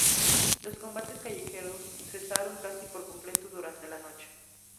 Los combates callejeros cesaron casi por completo durante la noche.